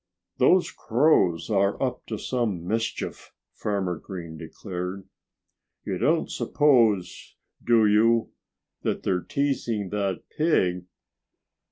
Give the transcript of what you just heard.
"Those crows are up to some mischief," Farmer Green declared. "You don't suppose do you? that they're teasing that pig?"